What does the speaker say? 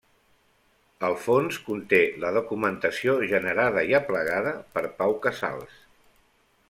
El fons conté la documentació generada i aplegada per Pau Casals.